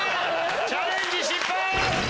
チャンレジ失敗。